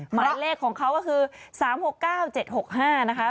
หมายเลขของเขาก็คือ๓๖๙๗๖๕นะคะ